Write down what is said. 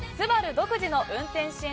独自の運転支援